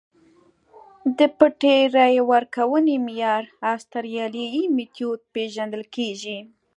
د پټې رایې ورکونې معیار اسټرالیايي میتود پېژندل کېږي.